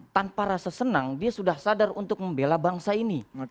tanpa rasa senang dia sudah sadar untuk membela bangsa ini